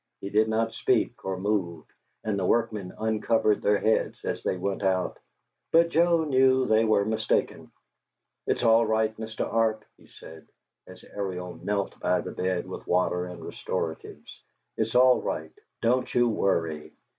He did not speak or move and the workmen uncovered their heads as they went out, but Joe knew that they were mistaken. "It's all right, Mr. Arp," he said, as Ariel knelt by the bed with water and restoratives. "It's all right. Don't you worry."